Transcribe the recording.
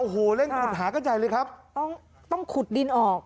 โอ้โหเร่งขุดหากันใหญ่เลยครับต้องต้องขุดดินออก